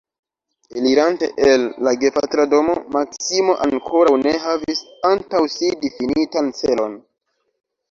Elirante el la gepatra domo, Maksimo ankoraŭ ne havis antaŭ si difinitan celon.